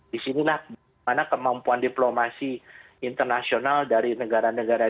disinilah mana kemampuan diplomasi internasional dari negara negara